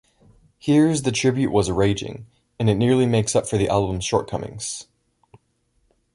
Here's the Tribute", was "raging", and it "nearly makes up for the album's shortcomings".